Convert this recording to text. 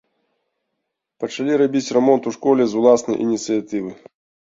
Пачалі рабіць рамонт у школе з уласнай ініцыятывы.